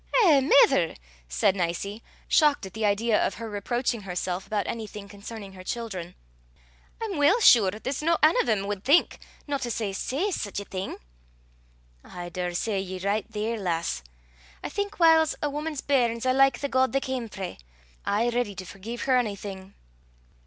"Eh, mither!" said Nicie, shocked at the idea of her reproaching herself about anything concerning her children, "I'm weel sure there's no ane o' them wad think, no to say say, sic a thing." "I daursay ye're richt there, lass. I think whiles a woman's bairns are like the God they cam frae aye ready to forgie her onything."